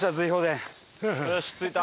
よし着いた！